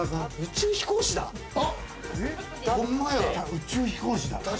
宇宙飛行士だ！